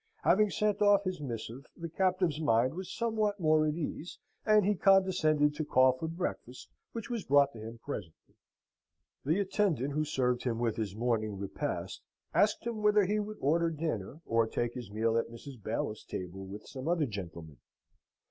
Having sent off his missive, the captive's mind was somewhat more at ease, and he condescended to call for breakfast, which was brought to him presently. The attendant who served him with his morning repast asked him whether he would order dinner, or take his meal at Mrs. Bailiff's table with some other gentlemen?